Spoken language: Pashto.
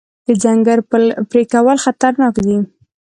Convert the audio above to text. د ځنګل پرې کول خطرناک دي.